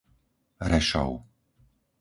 Rešov